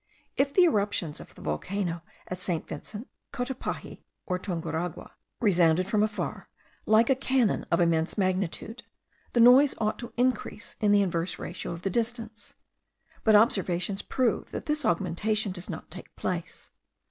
If the eruptions of the volcano of St. Vincent, Cotopaxi, or Tunguragua, resounded from afar, like a cannon of immense magnitude, the noise ought to increase in the inverse ratio of the distance: but observations prove, that this augmentation does not take place.